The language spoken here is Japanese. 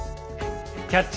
「キャッチ！